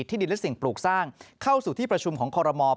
ดินและสิ่งปลูกสร้างเข้าสู่ที่ประชุมของคอรมอล